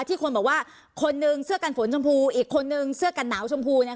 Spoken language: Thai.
ที่คนบอกว่าคนนึงเสื้อกันฝนชมพูอีกคนนึงเสื้อกันหนาวชมพูเนี่ย